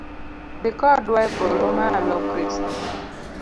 Dhi kodwa epolo malo Kristo